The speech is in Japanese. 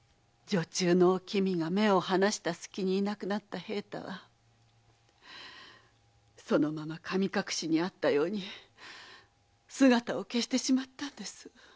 女中のお君が目を離した隙にいなくなった平太はそのまま神隠しにあったように姿を消してしまったんです。